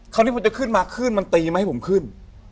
คราวนี้พอจะขึ้นมาขึ้นมันตีมาให้ผมขึ้น